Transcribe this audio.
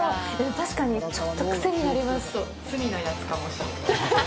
確かにちょっと癖になります。